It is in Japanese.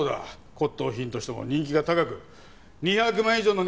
骨董品としても人気が高く２００万円以上の値がつくんだと。